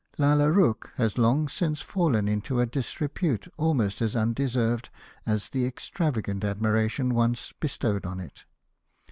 Lalla Rookh has long since fallen into a disrepute almost as undeserved as the extravagant admiration once bestowed on it.